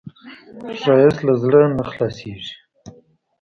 ښایست له زړه نه خلاصېږي